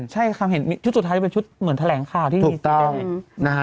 ใช่ค่ะเห็นชุดสุดท้ายจะเป็นชุดเหมือนแถลงข่าวที่ถูกต้อง